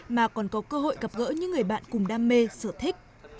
mà còn có cơ hội gặp gỡ những người bạn cùng đam mê sở thích